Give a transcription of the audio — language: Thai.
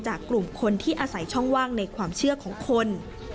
กลุ่มคนที่อาศัยช่องว่างในความเชื่อของคน